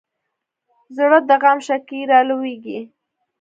زړه د غم شګې رالوېږي.